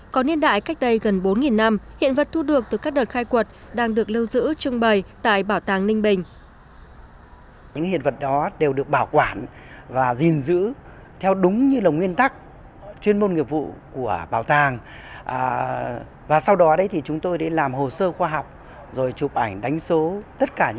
có niên đại cách đây gần bốn năm hiện vật thu được từ các đợt khai quật đang được lưu giữ trưng bày tại bảo tàng ninh bình